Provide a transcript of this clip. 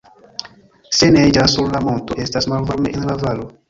Se neĝas sur la monto, estas malvarme en la valo.